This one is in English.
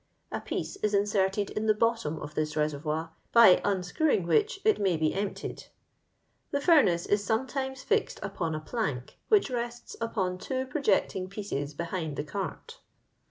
A piece is inserted in the bottom of this reservoir, by unscrewing which it may be emptied. The furnace is sometimes fixed upon a plank, which rests upon two projecting pieces behind the cart."